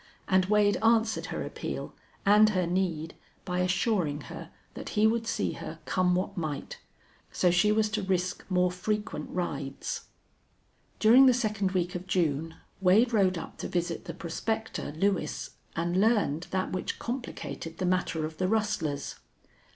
And Wade answered her appeal and her need by assuring her that he would see her, come what might. So she was to risk more frequent rides. During the second week of June Wade rode up to visit the prospector, Lewis, and learned that which complicated the matter of the rustlers.